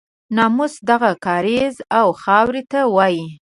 ناموس دغه کاریز او خاورې ته وایي.